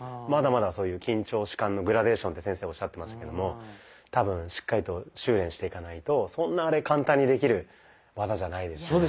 まだまだ「緊張弛緩のグラデーション」って先生おっしゃってましたけども多分しっかりと修練していかないとそんな簡単にできる技じゃないですね。